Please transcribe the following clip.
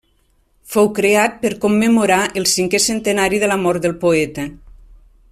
Fou creat per commemorar el cinquè centenari de la mort del poeta.